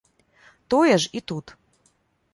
Тое ж і тут.